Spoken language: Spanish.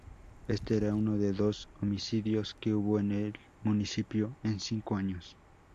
Este era uno de dos homicidios que hubo en el municipio en cinco años.